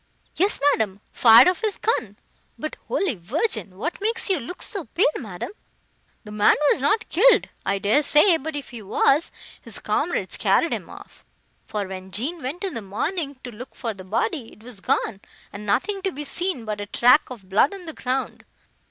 "Yes, madam, fired off his gun; but, Holy Virgin! what makes you look so pale, madam? The man was not killed,—I dare say; but if he was, his comrades carried him off: for, when Jean went in the morning, to look for the body, it was gone, and nothing to be seen but a track of blood on the ground.